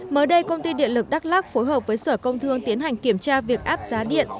mới đây công ty điện lực đắk lắc phối hợp với sở công thương tiến hành kiểm tra việc áp giá điện